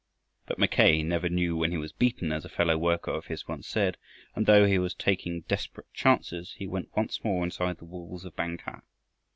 But "Mackay never knew when he was beaten," as a fellow worker of his once said, and though he was taking desperate chances, he went once more inside the walls of Bangkah.